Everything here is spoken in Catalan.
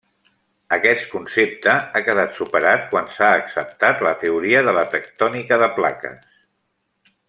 Aquest concepte ha quedat superat quan s'ha acceptat la teoria de la tectònica de plaques.